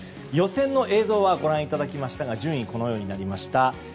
予選の映像はご覧いただきましたが順位はこのようになりました。